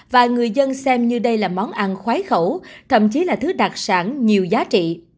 và người dân xem như đây là món ăn khoái khẩu thậm chí là thứ đặc sản nhiều giá trị